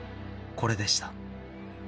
これでした